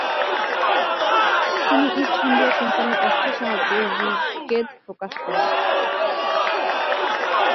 তিনি East India কোম্পানীর অর্থসাহায্যে ঋগ্বেদ প্রকাশ করেন।